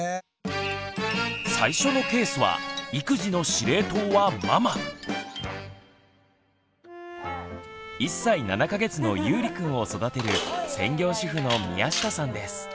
最初のケースは１歳７か月のゆうりくんを育てる専業主婦の宮下さんです。